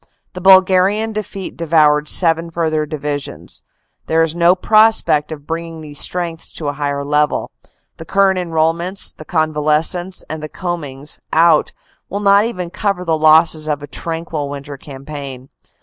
" The Bulgarian defeat devoured seven further divisions. AFTER THE BATTLE 283 There is no prospect of bringing the strengths to a higher level. The current enrolments, the convalescents, and the combings out will not even cover the losses of a tranquil winter cam paign.